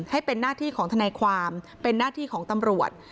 ให้เป็นหน้าที่ของทนายความเป็นหน้าที่ของตำรวจ